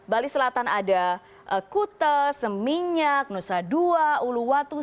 bali selatan ada kute seminyak nusa dua uluwatu